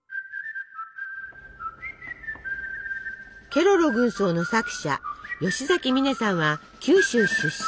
ケロロ軍曹の作者吉崎観音さんは九州出身。